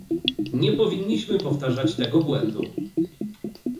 Nie powinniśmy powtarzać tego błędu